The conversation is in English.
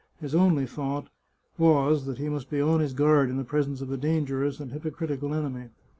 His only thought was that he must be on his guard in the presence of a dangerous and hypocritical enemy.